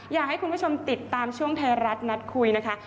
อยากให้คุณผู้ชมติดตามช่วงไทยรัฐนัดคุยนะคะ